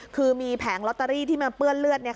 คือมีแผงลอตเตอรี่ที่มันเปื้อนเลือด